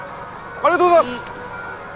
ありがとうございます！